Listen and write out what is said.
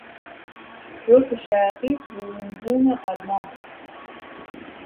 پروس شرقی برونبوم آلمان بود.